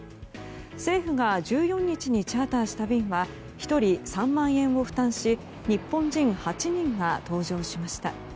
政府が１４日にチャーターした便は１人３万円を負担し日本人８人が搭乗しました。